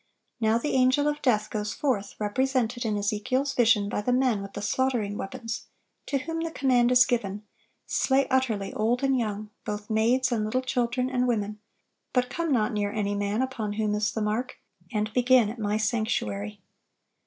Now the angel of death goes forth, represented in Ezekiel's vision by the men with the slaughtering weapons, to whom the command is given: "Slay utterly old and young, both maids, and little children, and women: but come not near any man upon whom is the mark; and begin at My sanctuary."